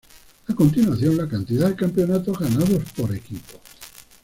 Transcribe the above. A continuación, la cantidad de campeonatos ganados por equipo.